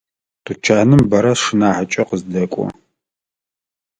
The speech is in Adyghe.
Тучаным бэра сшынахьыкӏэ къыздэкӏо.